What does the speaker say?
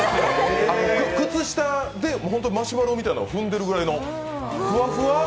靴下で本当にマシュマロみたいのを踏んでるぐらいの、ふわふわ。